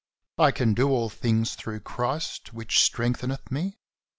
I can c^o all things through Christ which strength eneth me."